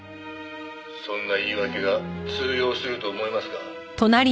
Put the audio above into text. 「そんな言い訳が通用すると思いますか？」